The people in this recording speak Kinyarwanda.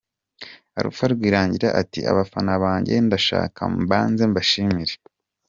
Alpha Rwirangira ati “ Abafana banjye ndashaka mbanze mbashimire.